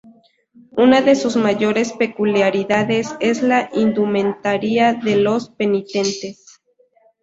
Una de sus mayores peculiaridades es la indumentaria de los penitentes.